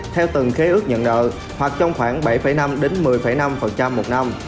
theo từng ký ước nhận nợ hoặc trong khoảng bảy năm một mươi năm một năm